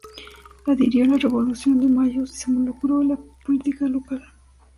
Adhirió a la Revolución de Mayo y se involucró en la política local.